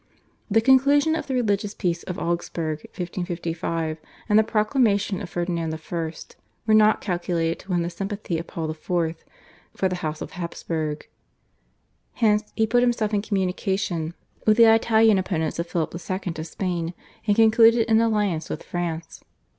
The conclusion of the religious peace of Augsburg (1555) and the proclamation of Ferdinand I. were not calculated to win the sympathy of Paul IV. for the House of Habsburg. Hence, he put himself in communication with the Italian opponents of Philip II. of Spain, and concluded an alliance with France.